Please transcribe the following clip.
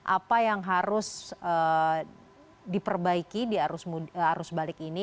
apa yang harus diperbaiki di arus balik ini